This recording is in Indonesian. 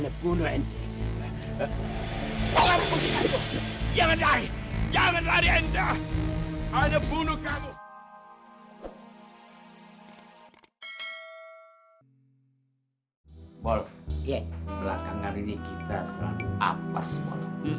aku mau menyebabkan kematian aku